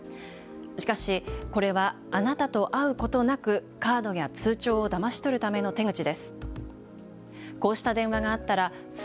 しかしこれはあなたと会うことなくカードや通帳をだまし取るための手口です。